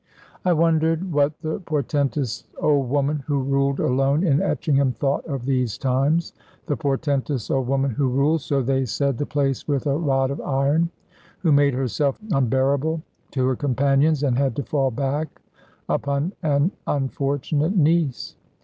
I wondered what the portentous old woman who ruled alone in Etchingham thought of these times the portentous old woman who ruled, so they said, the place with a rod of iron; who made herself unbearable to her companions and had to fall back upon an unfortunate niece.